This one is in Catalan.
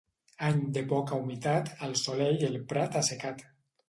Any de poca humitat, al solell el prat assecat.